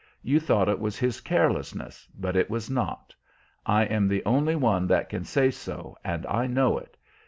You thought it was his carelessness, but it was not. I am the only one that can say so, and I know it.